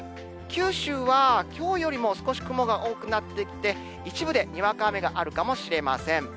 九州はきょうよりも少し雲が多くなってきて、一部でにわか雨があるかもしれません。